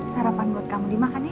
sarapan buat kamu dimakan ya